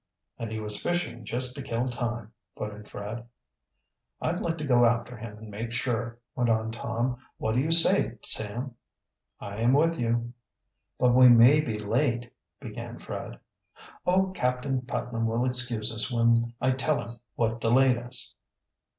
"And he was fishing just to kill time," put in Fred. "I'd like to go after him and make sure," went on Tom. "What do you say, Sam?" "I am with you." "But we may be late " began Fred. "Oh, Captain Putnam will excuse us when I tell him what delayed us."